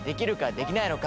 できないのか？